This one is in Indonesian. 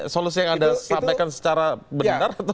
solusi yang anda sampaikan secara benar